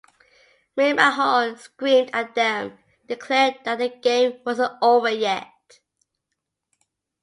McMahon screamed at them, declaring that the game wasn't over yet.